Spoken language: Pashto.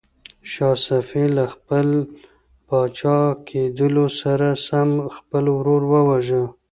شاه صفي له خپل پاچا کېدلو سره سم خپل ورور وواژه.